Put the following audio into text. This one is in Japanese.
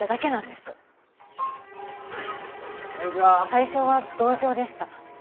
最初は同情でした。